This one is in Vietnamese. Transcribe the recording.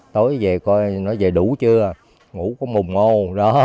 tối về coi nó về đủ chưa ngủ có mùng không đó